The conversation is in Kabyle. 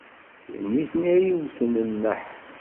D nitni ay iwten nneḥ.